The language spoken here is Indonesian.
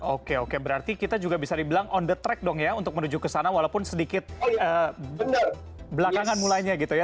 oke oke berarti kita juga bisa dibilang on the track dong ya untuk menuju ke sana walaupun sedikit belakangan mulainya gitu ya